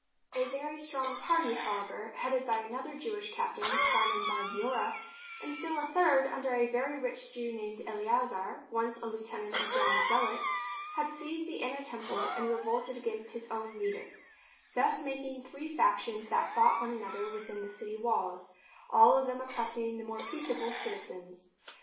A very strong party, however, was [in] THE BOOK OF FAMOUS SIEGES headed by another Jewish captain, Simon bar Giora, and still a third, under a very rich Jew named Eleazar, once a lieutenant of John the Zea lot, had seized the inner temple and revolted against his own leader; thus making three factions that fought one another within the city walls, all of them oppressing the more peaceable citizens.